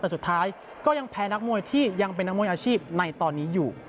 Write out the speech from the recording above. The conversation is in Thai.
แต่สุดท้ายก็ยังแพ้นักมวยที่ยังเป็นนักมวยอาชีพในตอนนี้อยู่